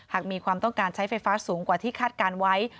หากมีความต้องการใช้ไฟฟ้าสูงกว่าที่คาดการณ์ไว้